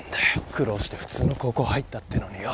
苦労して普通の高校入ったていうのによ。